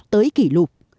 tới kỷ lục